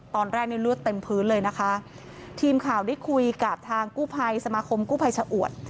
ตอนแรกในเลือดเต็มพื้นเลยนะคะทีมข่าวได้คุยกับทางกู้ภัยสมาคมกู้ภัยชะอวด